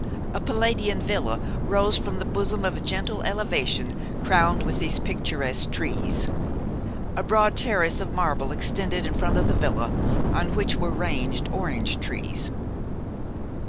A palladian villa rose from the bosom of a gentle elevation, crowned with these picturesque trees. A broad terrace of marble extended in front of the villa, on which were ranged orange trees.